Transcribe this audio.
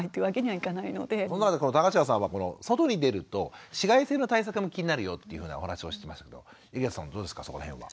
田頭さんは外に出ると紫外線の対策も気になるよというふうなお話もしてましたけど井桁さんどうですかそこの辺は。